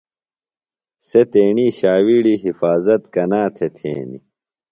سےۡ تیݨی ݜاوِیڑیۡ حفاظت کنا تھےۡ تھینیۡ؟